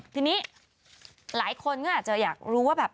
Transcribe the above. ทีนี้หลายคนก็อาจจะอยากรู้ว่าแบบ